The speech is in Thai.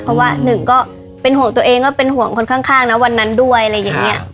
เพราะว่าหนึ่งก็เป็นห่วงตัวเองก็เป็นห่วงคนข้างนะวันนั้นด้วยอะไรอย่างนี้